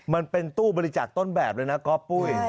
มันเป็นตู้บริจาคต้นแบบเลยนะก๊อฟปุ้ย